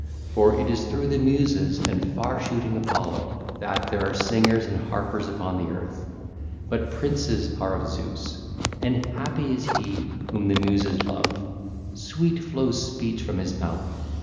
For it is through the Muses and far shooting Apollo that there are singers and harpers upon the earth; but princes are of Zeus, and happy is he whom the Muses love: sweet flows speech from his mouth.